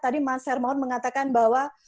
tadi mas hermawan mengatakan bahwa